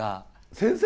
先生！？